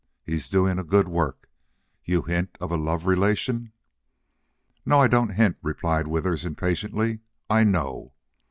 He's doing a good work. You hint of a love relation." "No, I don't hint," replied Withers, impatiently. "I know.